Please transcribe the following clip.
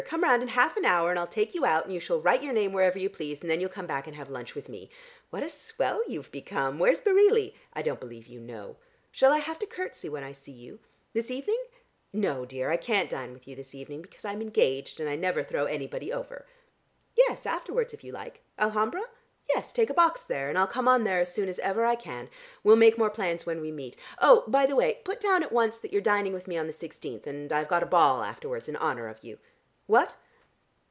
Come round in half an hour, and I'll take you out, and you shall write your name wherever you please, and then you'll come back and have lunch with me. What a swell you've become. Where's Bareilly? I don't believe you know. Shall I have to curtsey when I see you? This evening? No, dear, I can't dine with you this evening, because I'm engaged, and I never throw anybody over. Yes, afterwards if you like. Alhambra? Yes, take a box there, and I'll come on there as soon as ever I can. We'll make more plans when we meet. Oh, by the way, put down at once that you're dining with me on the sixteenth, and I've got a ball afterwards in honour of you. What?"